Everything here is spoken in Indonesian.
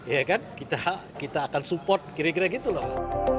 ya kan kita akan support kira kira gitu loh